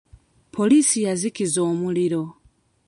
Poliisi yazikiza omuliro.